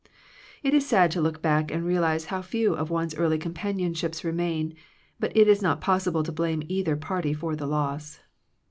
It is sad to look back and realize how few of one's early companionships re main, but it is not possible to blame either party for the loss.